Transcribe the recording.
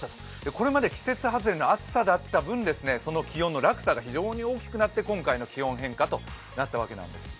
これまで季節外れの暑さだった分、気温の落差が大きくなって今回の気温変化となったわけです。